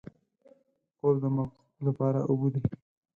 خوب د مغز لپاره اوبه دي